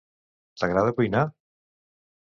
T'agrada cuinar?